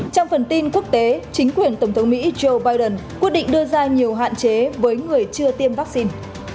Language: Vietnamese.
trong phần tin quốc tế chính quyền tổng thống mỹ joe biden quyết định đưa ra nhiều hạn chế với người chưa tiêm vaccine